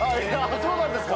そうなんですか？